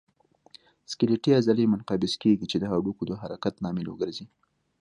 سکلیټي عضلې منقبض کېږي چې د هډوکو د حرکت لامل وګرځي.